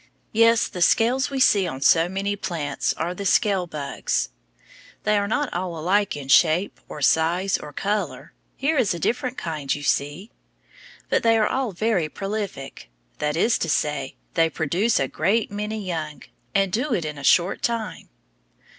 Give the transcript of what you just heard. Yes, the scales we see on so many plants are the scale bugs. They are not all alike in shape, or size, or color; here is a different kind, you see. But they are all very prolific; that is to say, they produce a great many young, and do it in a short time.